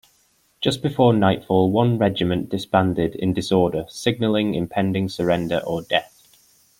Just before nightfall one regiment disbanded in disorder signalling impending surrender or death.